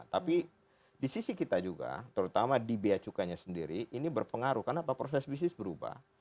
tapi di sisi kita juga terutama di beacukanya sendiri ini berpengaruh kenapa proses bisnis berubah